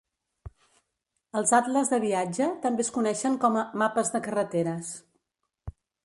Els atles de viatge també es coneixen com a "mapes de carreteres".